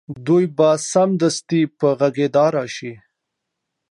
دوی به سمدستي په غږېدا راشي